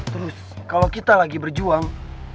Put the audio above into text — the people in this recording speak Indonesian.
terus kalau kita lagi berjuang